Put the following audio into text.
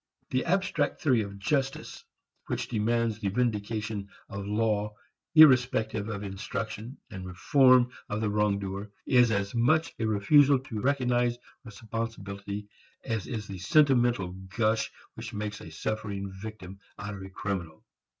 The abstract theory of justice which demands the "vindication" of law irrespective of instruction and reform of the wrong doer is as much a refusal to recognize responsibility as is the sentimental gush which makes a suffering victim out of a criminal.